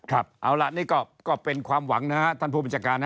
เอาล่ะนี่ก็เป็นความหวังนะฮะท่านผู้บัญชาการนะ